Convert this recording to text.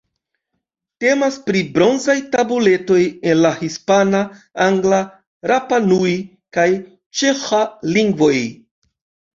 Temas pri bronzaj tabuletoj en la hispana, angla, rapa-nui kaj ĉeĥa lingvoj.